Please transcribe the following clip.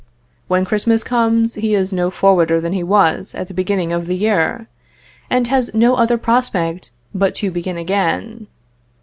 When Christmas comes, he is no forwarder than he was at the beginning of the year, and has no other prospect but to begin again.